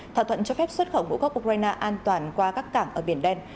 thỏa thuận cho phép xuất khẩu ngũ cốc ukraine an toàn qua các cảng ở biển đen